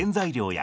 や